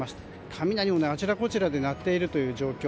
雷も、あちらこちらで鳴っているという状況。